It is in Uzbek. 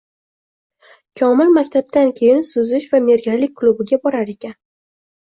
Komil maktabdan keyin suzish va merganlik klubiga borar ekan